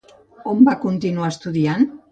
On va continuar estudiant?